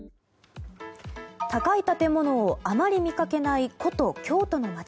高い建物をあまり見かけない古都・京都の街。